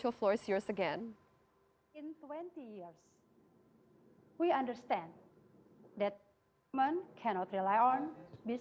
apakah anda mendengar saya dengan jelas